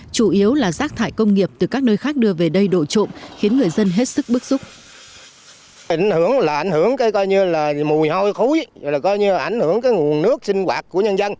chủ yếu là rác thải công nghiệp từ các nơi khác đưa về đây đổ trộm khiến người dân hết sức bức xúc